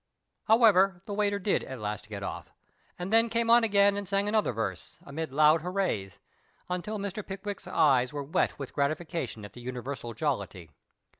However, the waiter did at last get off, and then came on again and sang another verse, amid loud hoorays, until Mr. Pickwick's eyes were wet with gratification at the universal jollity.